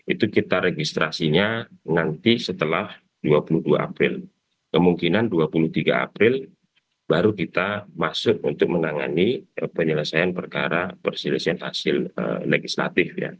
itu kita registrasinya nanti setelah dua puluh dua april kemungkinan dua puluh tiga april baru kita masuk untuk menangani penyelesaian perkara perselisihan hasil legislatif